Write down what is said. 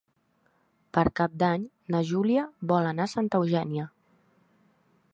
Per Cap d'Any na Júlia vol anar a Santa Eugènia.